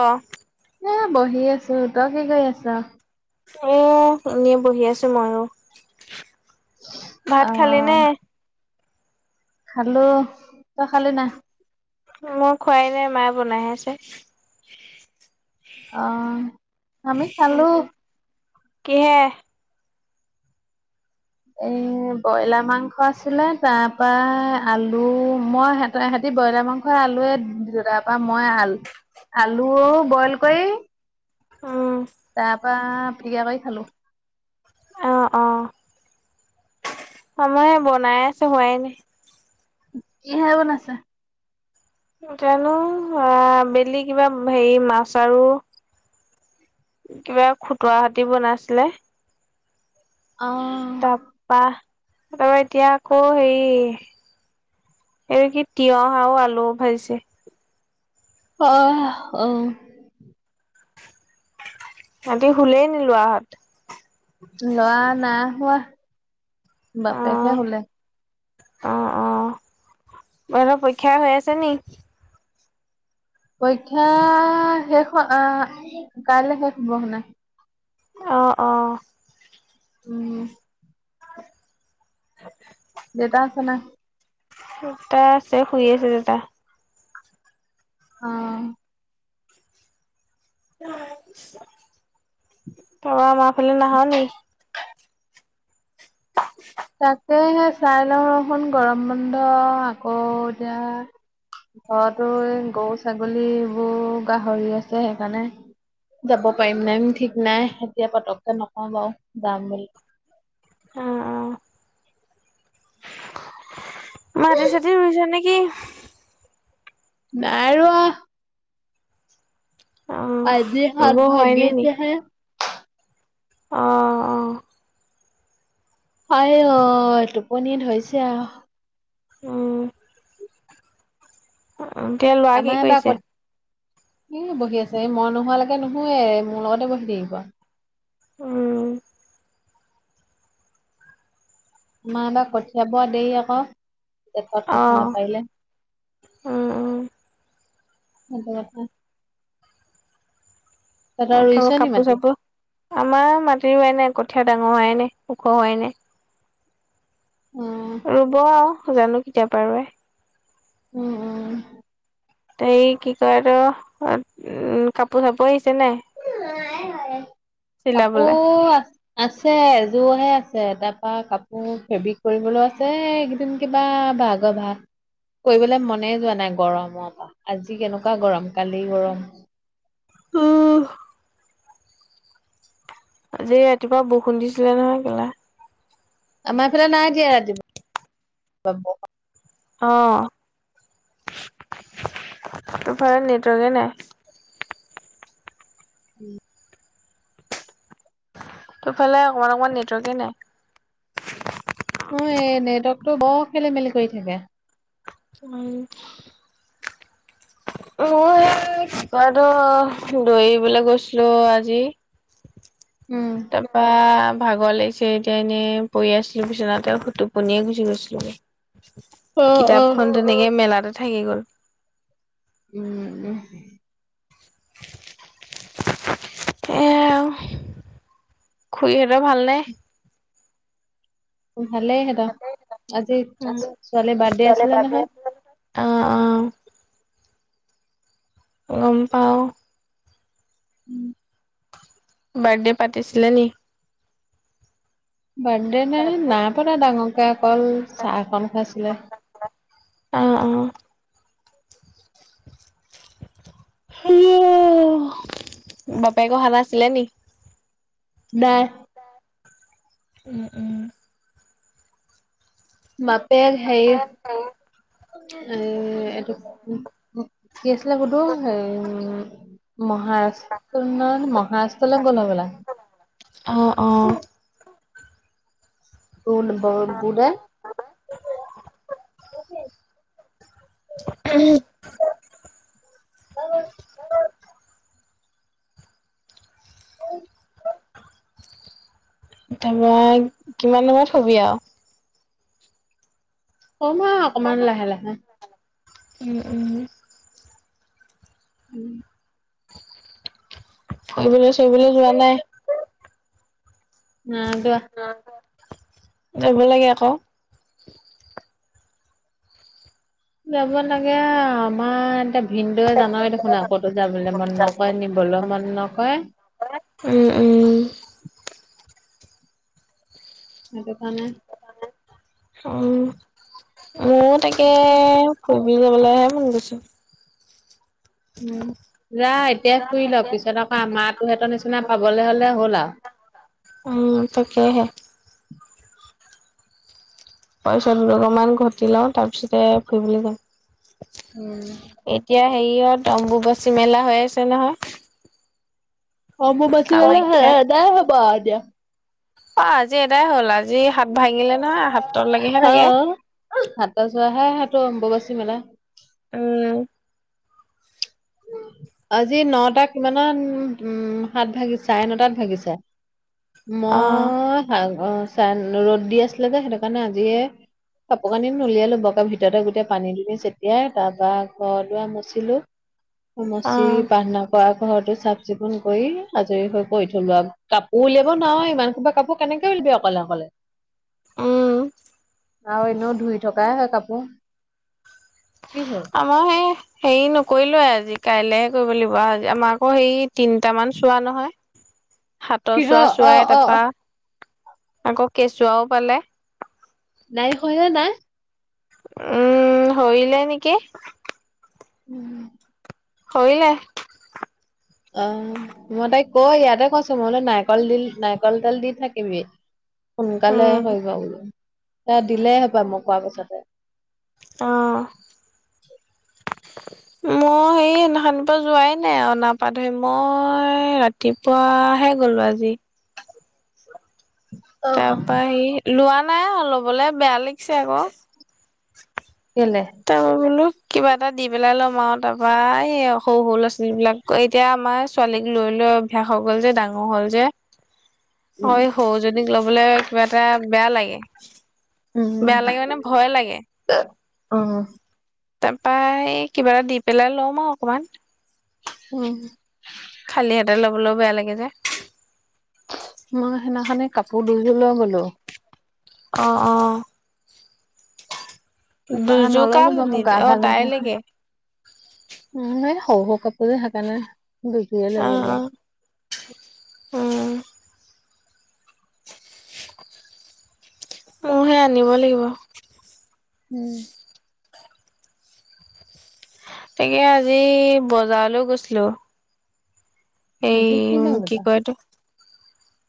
অ এ বহি আছো তই কি কৰি আছ? এ এনেই বহি আছো মই ভাত খালি আহ নে? খালো তই খালি নাই? মোৰ খোৱাই নাই মায়ে বনাই আছে অ আমি খালো উম কিহে? এ ব্ৰইলাৰ মাংস আছিলে তাৰ পৰা আলু মই সহতে সতি ব্ৰইলাৰ মাংসৰ আলুৱে তাৰ পৰা মই আলু আলু বইল কৰি উম তাৰপা প্ৰিয়া কৰি খালো অ অ মই বনাই আছো হোৱাই নাই কিহে বনাইছা‌? জানো আ বেলি কিবা হেৰি মাছ আৰু কিবা খুতুৱা হতি বনাইছিলে অ তাৰপা তাপৰা এতিয়া আকৌ হেৰি এটো কি তিঁয়হ আৰু আলু ভাজিছে অহ অহ সেতি শুলেই নি লৰাহত? লৰা নাই হোৱা অ বাপেকহে শুলে অ অ সেত পৰীক্ষা হৈ আছে নি‌? পৰীক্ষা শেষ আহ কাইলৈ শেষ হব হেনো অহ অ উম হ [unintelligible] দেতা আছে নাই? দেতা আছে শুই আছে দেউতা অ তই আমাৰ ফালে নাহ নি? তাকে হে চাই লওঁ ৰচোন গৰম বন্ধ আকৌ এতিয়া, ঘৰতো এই গৰু ছাগলীবোৰ গাহৰি আছে সেইকাৰণে যাব পাৰিম নাই ঠিক নাই এতিয়া পতককে নকওঁ বাও যাম বুলি অহ অ মাটি চাতি ৰুইছা নেকি? নাইৰোৱা। অ আজি হাত ৰুব হয় নে নি ভাগিছে হে অ অ হাই অ টোপনি ধৰিছে আৱ উম এতিয়া ল'ৰা কি আমাৰ এবাৰ কৰিছে‌? কত এ বহি আছে এই মই নোহোৱালৈকে নুশুৱে মোৰ লগতে বহি থাকিব উম আমা এইবা কঠিয়া পৰা দেৰি আকৌ জেঠত অ কঠিয়া নাপাৰিলে উম উম সেতোকথা কাপোৰ মাটি? চাপোৰ আমাৰ মাটি হোৱাই নাই ক কঠিয়া ডাঙৰ হোৱাই নাই ওখ হোৱাই নাই। উম, ৰুব আৱ জানো কেতিয়াপা ৰোৱে উম উম হে কি কয় তো উ কাপোৰ চাপোৰ আহিছে নাই চিলাবলে কাপোৰ আ আছে এযোৰহে আছে তাৰপা কাপোৰ ফেব্ৰিক কৰিবলৈ আছে এইকেদিন কিবা ভাগ ভাগ কৰিবলৈ মনে যোৱা নাই গৰমৰ পৰা আজি কেনেকুৱা গৰম কালি গৰম অহ আজি ৰাতিপুৱা বৰষুণ দিছিলে নহয় কেলা আমাৰ এফালে নাই দিয়া ৰাতিপুৱা বৰষুণ। অহ তোৰ ফালে নেটৱৰ্কে নাই। উম তোৰ ফালে অকণমান অকণমান নেটৱৰ্কে নাই। অ এই নেটৱৰ্কটো বৰ খেলি মেলি কৰি থাকে। উম মই ৰাতিপুৱাটো দৰিবলে গৈছিলো আজি। [inaudible] উম। তাৰপৰা ভাগৰ লাগিছে এতিয়া এনেই পৰি আছিলো বিচনাতে টোপনিয়ে গুচি গৈছিলোগে। অ', অ'। কিতাপখন তেনেকে মেলাতে থাকি গ'ল। উম। [inaudible] এ খুুৰীহঁতৰ ভাল নে? ভালেই সেইতৰ। আজি ছোৱালীৰ বাৰ্থডে আছিলে নহয়। অ', অ', গম পাওঁ। উম। বাৰ্থডে পাতিছিলে নি? বাৰ্থডে নাই নাই পতা ডাঙৰকে অকল চাহখন খাইছিলে। আঁহ আঁহ। উ বাপেক অহা নাছিলে নি? নাই। উম উম। বাপেক হেৰি এ এইটো কি আছিলে হুদুৰ হেই মহাৰাষ্ট্ৰ মহাৰাষ্ট্ৰলৈ গ'ল হবলা। অঁ অঁ। গল বৰ বু দাই। [unintelligible] [unintelligible] তাৰপৰা কিমান টাইমত শুবি আৰু? শুম আৰু অকনমান লাহে লাহে। উম, উম, উম। ফুৰিবলৈ চুৰিবলৈ যোৱা নাই? নাই যোৱা। যব লাগে আক। যাব লাগে আৰু আমাৰ এতিয়া ভিনদেওৱে জানৈ দেখোন আ ক'তো যাবলৈ মন নকৰে নিব লো মন নকৰে উম উম। সেইটোকাৰণে মোৰ তাকে ফুৰিবলৈ যাবলৈহে মন গৈছে উম যা এতিয়া ফুৰি ল পিছত আকৌ আমাৰতোৰ সেহঁতৰ নিচিনা পাবলৈ হলে হ'ল আৰু উম তাকে হে পইচা দুটকা মান ঘটি লওঁ তাৰ পিছতে ফুৰিবলৈ যাম। উম। এতিয়া হেৰিয়ত অম্বুবাচী মেলা হৈ আছে নহয়। অম্বুবাচী মেলা কামাখ্যাত এদাই হব আৰু এতিয়া। অ আজি এদাই হ'ল আজি হাত ভাঙিলে নহয় হাতৰলৈকেহে থাকে আহ সাতটাৰ পৰা হে হয়টো অম্ববাচী মেলা। উম আজি নটা কিমানত উ হাত ভাগি চাৰে নটাত ভাগিছে। অ মই ৰ'দ দি আছিলে যে সেইটো কাৰণে আজিয়ে কাপোৰ কানি উলিয়ালো বৰক ভিতৰতে গোটেই পানী দিলি চতিয়াই তাৰপৰা ঘৰ দুৱাৰ মচিলো [inaudible] যি প্ৰাৰ্থনা কৰা। ঘৰতো চাফ চিকুণ কৰি আজৰি হৈ পৰি থলো আৰু কাপোৰ উলিয়াব নোৱাৰ ইমানহোপা কাপোৰ কেনেকে উল অকলে অকলে উম আৰু এনেও ধুই থকাই হয় কাপোৰ কি হ'ল আমাৰ সেই হেৰি নকৰিলো আজি কাইলেহে কৰিব লাগিবজি আমাৰ আকৌ হেই তিনটামান চোৱা নহয়। হাতৰ কিহ চোৱা অ', চুৱাই অ', অ তাৰপা আকৌ কেঁচুৱাও পালে নাই হয় নাই উম শৰিলে নেকি? উম। শলে অ মই তাই কয় ইয়াতে কৈছো মইলো নাৰিকল দিল নাৰিকল তেল দি থাকিবি [inaudible] সোনকালে উম হৈ বোলো এ দিলেই হবা মই কোৱা পাছতে আহ [inaudible] [inaudible] মই সেইখানিৰ পৰা যোৱাই নে অ পা ধৰি মই ৰাতিপুৱা গলো আজি তাৰ পৰা হে লোৱা নাই লবলে বেয়া লাগিছে আকৌ কেলে তা বলো কিবা এটা দি পেলাই লম আৰু তাৰপা এই সৰু সৰু ল'ৰা ছোৱালী বিলাক এতিয়া আমাৰ ছোৱালীক লৈ লৈ অভ্যাস হৈ গ'ল যে ডাঙৰ হ'ল যে অ উম সৰুজনীক লবলৈ কিবা এটা বেয়া লাগে উম বেয়া লাগে মানে ভয় লাগে উম তাপা এই কিবা এটা দি পেলাই লম আৰু অকমান উম। খালী হঁতে ল'বলৈও বেয়া লাগে যে মই সেইদিনাখে কাপোৰ দু ল গলো অ অ তাপা দুযোৰ নল কাল ৰ'ব মোৰ আনিলি গা অ', ভাল লাগেতে তাইলৈকে উ ম শৰু সৰু কাপোৰে সেইকাৰণে বকিয়ে লৈ অ', গলো অ মোৰহে আনিব লাগিব উম তাকে আজি বজাৰলৈ গৈছিলো এই আজি বাৰ কি বজাৰ কয় এইটো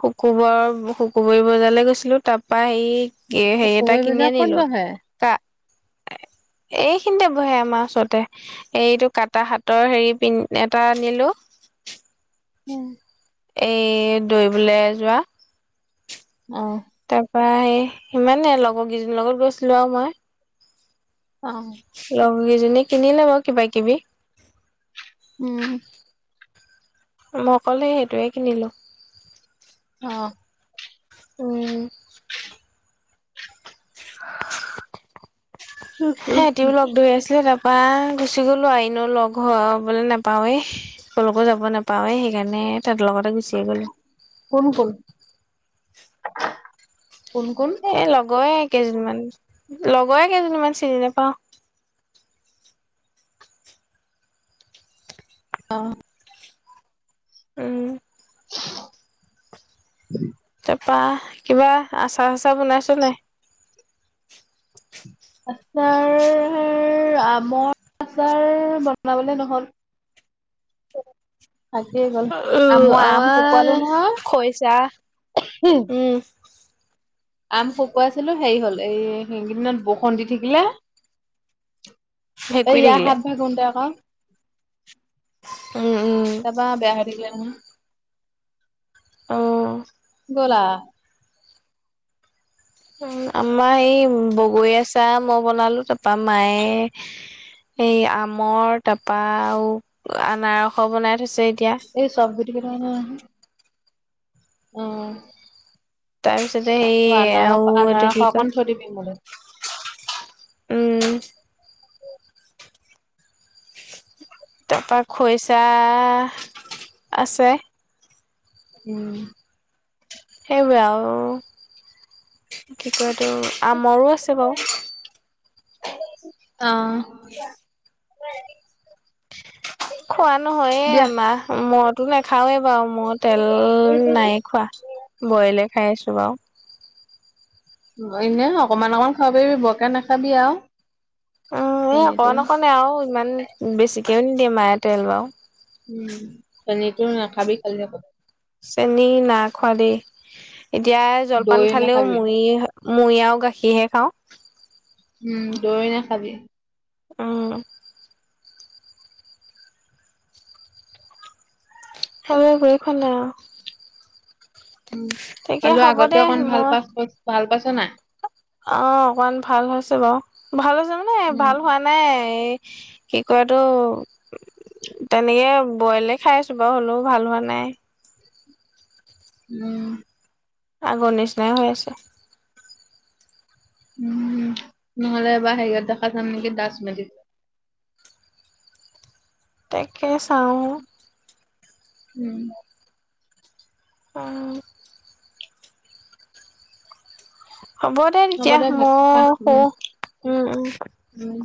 শুকুবৰ শুকোবৰী বজালে গৈছিলো তাৰ পৰা সি [unintelligible] এ সে এটা শুকুৰবাৰ কিনি বজাৰ ক'ত আনিলো বহে ক এইখিনিতে বহে আমাৰ ওচৰতে এইটো কাটা হাতৰ হেৰি পিন্ধ এটা আনিলো [inaudible] উম এই দৌবলৈ যোৱা অ তাৰ পৰা সেই ইমানেই লগৰ কেইজনীৰ লগত গৈছিলো আৰু মই [unintelligible] উ ইজনী কিনি লব কিবা কিবি। উম মই কলে সেইটোৱে কিনিলো। অ উম অ সেহঁতিও লগ ধৰি আছিলে তাৰপা। গুচি গ'লো এনেও লগ হবলে নাপাৱেই কলৈকো যাব নাপাৱে সেইকাৰণে তাত লগতে গু কোন কোন কোন কোন এ লগয়ে কেইজনীমান লগয়ে কেইজনীমান চিনি নাপাওঁ। অ উম উম তপা কিবা আচাৰ ছাচাৰ বনাইছে নে? আচাৰ আমৰ আচাৰ বনাবলে নহ'ল। থাকি গ'ল উম মই আম আমাৰ খৈছা। হম আম শুকুৱাইছিলো হেৰি হ'ল এই সেইকেইদিনত বৰষুণ দি থাকিলে। এ ভেকুৰী ইয়া থাকিলে সাত ভাগুংটে আকৌ। [unintelligible] উম উম তাপা বেয়া হৈ থাকিলে নহয় [unintelligible] অ কলা [unintelligible] উ আমাৰ এই বগৰীয়া চাহ মই বনালো তাৰাপা মায়ে এই আমৰ তাৰপা আৰু আনাৰস বনাই থৈছে। এতিয়া। এই চব গুটি কেইটামান আহ তাৰপিছতে সেই আ এইটো আনাৰস কি অকণ কয় থৈ দিবি মোলে উম তাৰপৰা খৰিচা আছে। উম সেইবোৰে আৰু কি কয়টো আমৰো আছে বাৰু। আহ খোৱা নহয়ে আমাৰ মইতো নাখাওৱে বাৰু মই তেল নাইয়ে খোৱা বইলে খাই আছো বাৰু। এনে অকমান অকমান খাব পাৰিবি বৰকে নাখাবি আৰু। অ' এই অকমান অকনে আৰু। ইমান বেছিকেও নিদিয়ে মায়ে তেল বাও। উম, চেনীটো নাখাবি। [inaudible] চেনী না খোৱা দে। এতিয়া জলপান দৈ খালেও নাখাবি মুৰি মূৰি আৰু গাখীৰহে খাওঁ। উম, দৈ নেখাবি। উম। সেইবোৰে [unintelligible] খোৱা নাই আৰু। উম, তাকে ধৰি লোৱা, হ'ব দে আগতে অকমান ভাল মই পাইছ- ভাল পাইছ নাই? অ' অকমান ভাল হৈছে বাৰু। ভাল হৈছে মানে ভাল উম হোৱা নাই। এই কি কৰাটো তেনেকে বইলে খাই আছোঁ বাৰু। হ'লেও ভাল হোৱা নাই। উম। আগৰ নিচিনাই হৈ আছে। উম, নহলে বা হেৰি এটা দেখা যাম নেকি দাস মেডিকেলত তাকে চাওঁ। উম। অ'। হ'ব দে হ'ব তেতিয়া। ভাত খা মই শু। উম, উম - উম। উম।